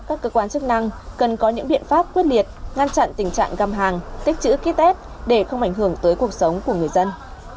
các cơ quan chức năng cần có những biện pháp quyết liệt ngăn chặn tình trạng găm hàng tích chữ ký test để không ảnh hưởng tới cuộc sống của người dân